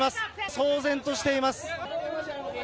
騒然としています。